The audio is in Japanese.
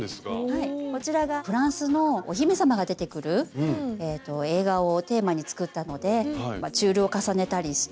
はいこちらがフランスのお姫様が出てくる映画をテーマに作ったのでチュールを重ねたりして。